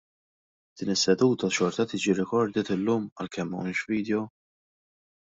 Din is-seduta xorta tiġi recorded illum għalkemm m'hawnx video?